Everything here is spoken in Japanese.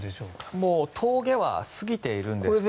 もう峠は過ぎているんですが。